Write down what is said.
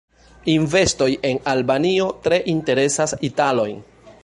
Investoj en Albanio tre interesas italojn.